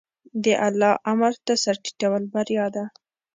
د الله امر ته سر ټیټول بریا ده.